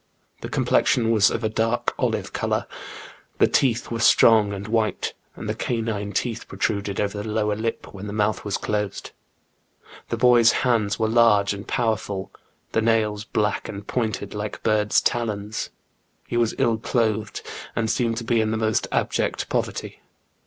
The complexion was of a dark olive colour ; the teeth were strong and white, and the canine teeth protruded over the lower lip when the mouth was closed. The boy's hands were large and powerful, the nails black and pointed like bird's talons. He was ill clothed, and seemed to be in the most abject poverty.